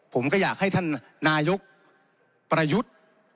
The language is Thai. ผมก็อยากให้ท่านนายกประยุทธ์